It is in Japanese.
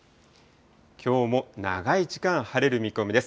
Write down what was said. きょうも長い時間、晴れる見込みです。